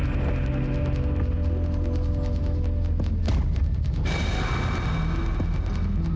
tapi kamu akan bebelah diriku ini selama masa ampun